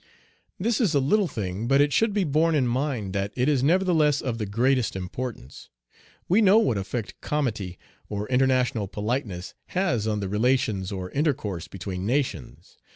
This is a little thing, but it should be borne in mind that it is nevertheless of the greatest importance. We know what effect comity or international politeness has on the relations or intercourse between nations.